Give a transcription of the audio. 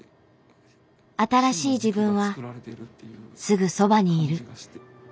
新しい自分はすぐそばにいる。